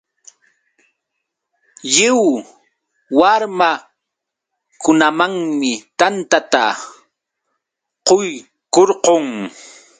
Lliw warmakunamanmi tantata quykurqun.